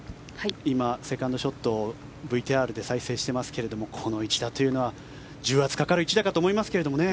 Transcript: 今、セカンドショットをＶＴＲで再生していますけれどこの一打というのは重圧かかる一打かと思いますけどね。